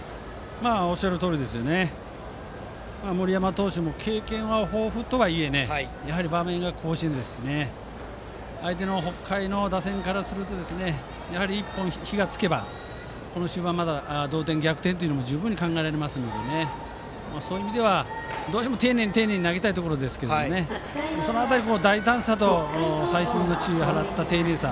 おっしゃるとおりで森山投手も経験は豊富とはいえやはり場面が甲子園ですし北海の打線からすると１本火が付けばこの終盤まだ同点、逆転も十分考えられるのでそういう意味では、どうしても丁寧に投げたいところですがその辺り、大胆さと細心の注意を払った丁寧さ